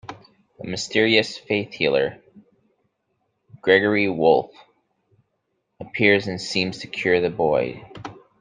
A mysterious faith healer, Gregory Wolfe, appears and seems to cure the boy.